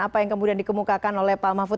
apa yang kemudian dikemukakan oleh pak mahfud